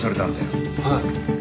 はい。